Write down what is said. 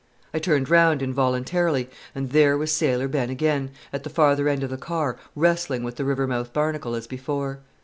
I turned round involuntarily, and there was Sailor Ben again, at the farther end of the car, wrestling with the Rivermouth Barnacle as before.